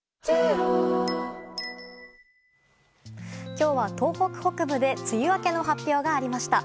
今日は、東北北部で梅雨明けの発表がありました。